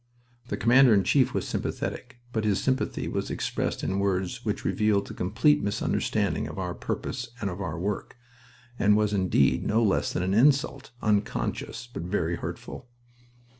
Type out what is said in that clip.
The Commander in Chief was sympathetic, but his sympathy was expressed in words which revealed a complete misunderstanding of our purpose and of our work, and was indeed no less than an insult, unconscious but very hurtful.